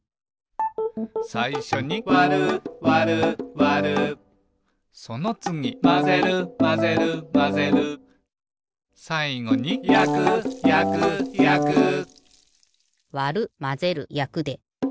さいしょに「わるわるわる」そのつぎ「まぜるまぜるまぜる」さいごに「やくやくやく」わるまぜるやくで。